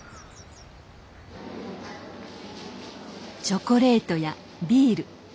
チョコレートやビール。